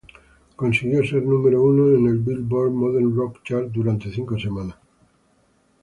Consiguió ser número uno en el Billboard Modern Rock Chart durante cinco semanas.